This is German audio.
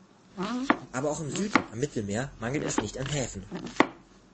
Aber auch im Süden, am Mittelmeer, mangelt es nicht an Häfen.